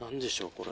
これ。